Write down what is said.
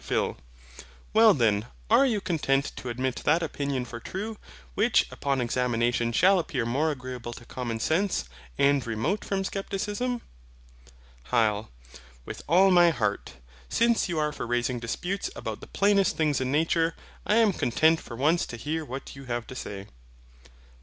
PHIL. Well then, are you content to admit that opinion for true, which upon examination shall appear most agreeable to Common Sense, and remote from Scepticism? HYL. With all my heart. Since you are for raising disputes about the plainest things in nature, I am content for once to hear what you have to say.